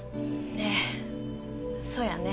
ええそうやね。